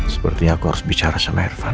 seperti aku harus bicara sama irfan